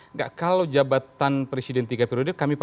enggak kalau jabatan presiden bisa diperpanjang atau bagaimana